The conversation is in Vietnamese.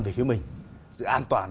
về phía mình giữ an toàn